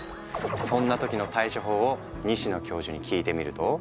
そんな時の対処法を西野教授に聞いてみると。